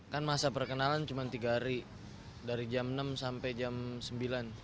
kan masa perkenalan cuma tiga hari dari jam enam sampai jam sembilan